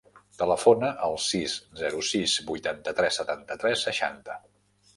Telefona al sis, zero, sis, vuitanta-tres, setanta-tres, seixanta.